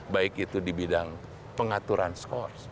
baik itu di bidang pengaturan skors